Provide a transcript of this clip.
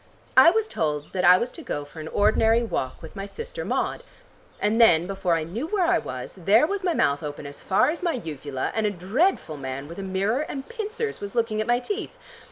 I was told that I was to go for an ordinary walk with my sister Maud. And then, before I knew where I was, there was my mouth open as far as my uvula, and a dreadful man with a mirror and pincers was looking at my teeth.